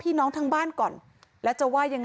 มีเรื่องอะไรมาคุยกันรับได้ทุกอย่าง